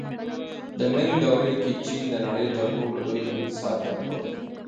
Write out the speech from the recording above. د مینګ دورې کې چین د نړۍ تر ټولو لوی اقتصاد درلود.